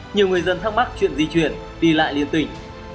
nhiều người dân thắc mắc chuyện di chuyển đi lại liên tỉnh